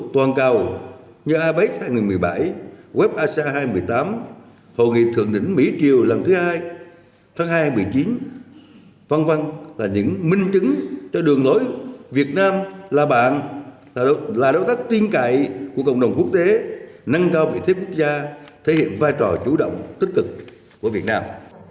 tạo môi trường thuận lợi của cộng đồng quốc tế nâng cao vị thế quốc gia thể hiện vai trò chủ động tích cực của việt nam